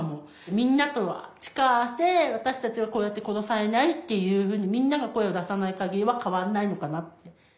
みんなと力を合わせて私たちはこうやって殺されないっていうふうにみんなが声を出さない限りは変わんないのかなって。